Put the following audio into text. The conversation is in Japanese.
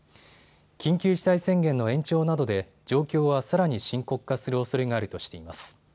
緊急事態宣言の延長などで状況はさらに深刻化するおそれがあるとしています。